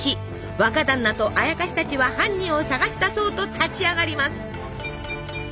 若だんなとあやかしたちは犯人を捜し出そうと立ち上がります。